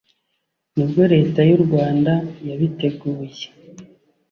ni bwo Leta y urwanda yabiteguye